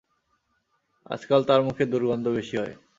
আজকাল তার মুখে দুর্গন্ধ বেশি হয়।